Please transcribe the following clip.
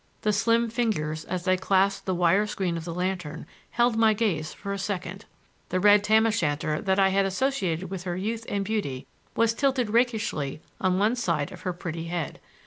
The slim fingers, as they clasped the wire screen of the lantern, held my gaze for a second. The red tam o' shanter that I had associated with her youth and beauty was tilted rakishly on one side of her pretty head.